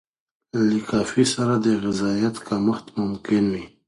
له کافي سره د غذایت کمښت ممکن وي.